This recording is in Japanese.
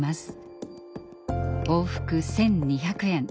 往復１，２００円。